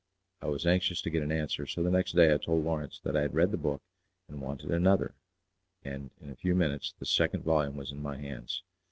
I was anxious to get an answer, so the next day I told Lawrence that I had read the book and wanted another; and in a few minutes the second volume was in my hands.